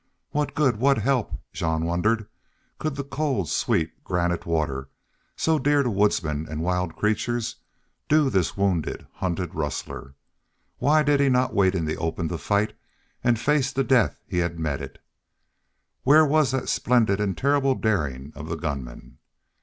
What good, what help, Jean wondered, could the cold, sweet, granite water, so dear to woodsmen and wild creatures, do this wounded, hunted rustler? Why did he not wait in the open to fight and face the death he had meted? Where was that splendid and terrible daring of the gunman?